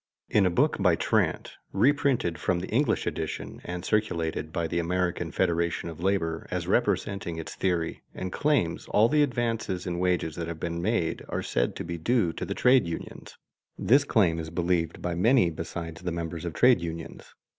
In a book by Trant, reprinted from the English edition and circulated by the American Federation of Labor as representing its theory and claims, all the advances in wages that have been made are said to be due to the trade unions. This claim is believed by many besides the members of trade unions.